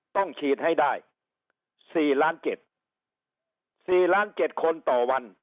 ต้องฉีดให้ได้๔๗๐๐๐๐๐คนต่อวัน